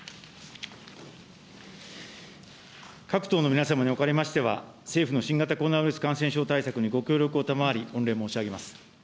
各党の皆様におかれましては、政府の新型コロナウイルス感染症対策にご協力を賜り、御礼申し上げます。